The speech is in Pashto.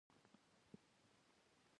وګړي روغتیا او امنیت د برابرۍ نه پورته ګڼي.